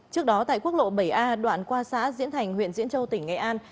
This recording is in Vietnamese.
trước đó tại quốc lộ bảy a đoạn qua xã diễn thành huyện diễn châu tỉnh nghệ an